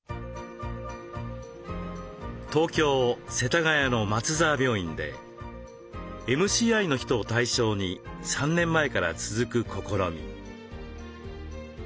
東京・世田谷の松沢病院でＭＣＩの人を対象に３年前から続く試み。